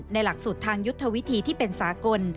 หลักสูตรทางยุทธวิธีที่เป็นสากล